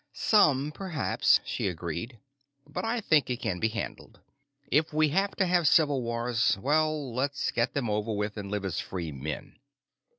"Some, perhaps," she agreed. "But I think it can be handled. If we have to have civil wars, well, let's get them over with and live as free men."